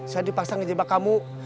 saya dipaksa ngejebak kamu